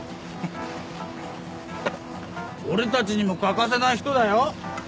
俺たちにも欠かせない人だよ。